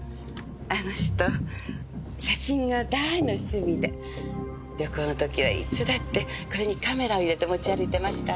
あの人写真が大の趣味で旅行の時はいつだってこれにカメラを入れて持ち歩いてましたの。